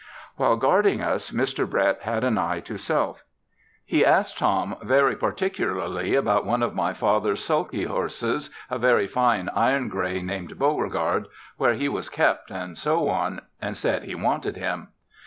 While guarding us Mr. Brett had an eye to self. He asked Tom very particularly about one of my father's sulky horses, a very fine iron gray named "Beauregard," where he was kept and so on, and said he wanted him.